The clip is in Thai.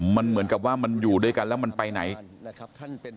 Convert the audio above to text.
มันเหมือนกับว่ามันอยู่ด้วยกันแล้วมันไปไหน